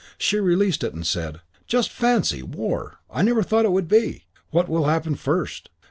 She released it and said, "Just fancy, war! I never thought it would be. What will happen first?